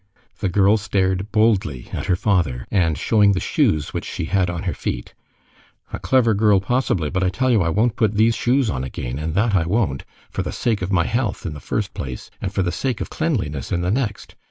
The girl stared boldly at her father, and showing the shoes which she had on her feet:— "A clever girl, possibly; but I tell you I won't put these shoes on again, and that I won't, for the sake of my health, in the first place, and for the sake of cleanliness, in the next.